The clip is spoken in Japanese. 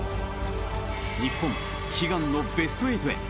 日本、悲願のベスト８へ。